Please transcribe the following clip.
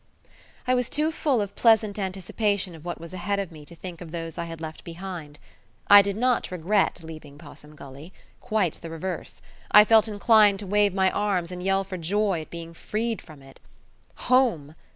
I was too full of pleasant anticipation of what was ahead of me to think of those I had left behind. I did not regret leaving Possum Gully. Quite the reverse; I felt inclined to wave my arms and yell for joy at being freed from it. Home!